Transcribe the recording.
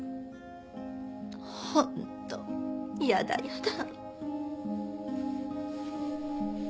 ホントやだやだ。